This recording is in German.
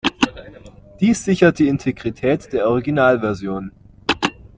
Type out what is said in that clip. Dies sichert die Integrität der Originalversion.